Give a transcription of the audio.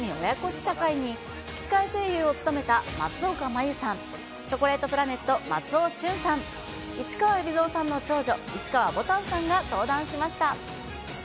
試写会に、吹き替え声優を務めた松岡茉優さん、チョコレートプラネット・松尾駿さん、市川海老蔵さんの長女、市川ぼたんさんが登壇しました。